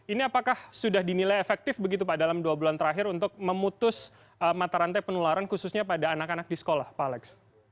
ini apakah sudah dinilai efektif begitu pak dalam dua bulan terakhir untuk memutus mata rantai penularan khususnya pada anak anak di sekolah pak alex